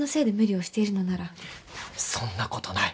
そんなことない！